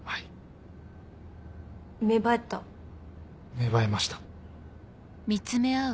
芽生えました。